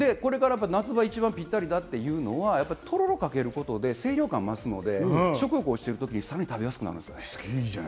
夏場にぴったりというのは、とろろをかけることで、清涼感も増すので、食欲が落ちてるときに、さらに食べやすくなります。